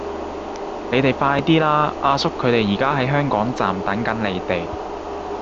你哋快啲啦!阿叔佢哋而家喺香港站等緊你哋